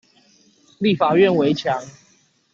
立法院圍牆